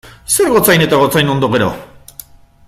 Zer gotzain eta gotzainondo, gero?